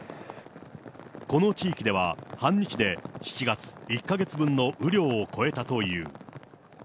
この地域では、半日で７月１か月分の雨量を超えたという。